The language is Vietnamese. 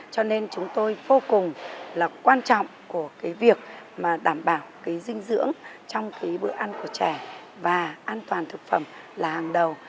cho nên chúng tôi vô cùng là quan trọng của việc đảm bảo dinh dưỡng trong bữa ăn của trẻ và an toàn thực phẩm là hàng đầu